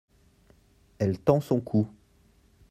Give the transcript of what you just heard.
Elle tend son cou.